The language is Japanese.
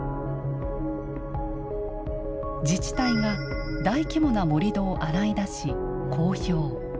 自治体が大規模な盛土を洗い出し公表。